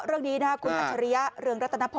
ก็ตอบได้คำเดียวนะครับ